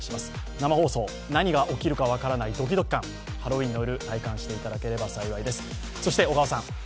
生放送、何が起きるか分からないドキドキ感、ハロウィーンの夜、体感していただければ幸いです。